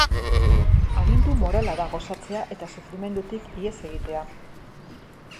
Agindu morala da gozatzea eta sufrimendutik ihes egitea.